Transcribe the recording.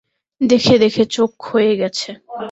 দেখে দেখে চোখ ক্ষয়ে গেছে।